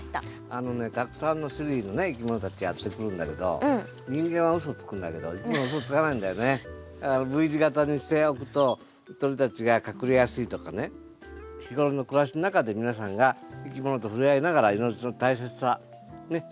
あのねたくさんの種類のいきものたちやって来るんだけど人間はウソつくんだけどだからＶ字型にしておくと鳥たちが隠れやすいとかね日頃の暮らしの中で皆さんがいきものと触れ合いながら命の大切さ学んでいきましょう。